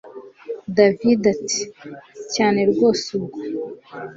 david ati cyane rwose ubwo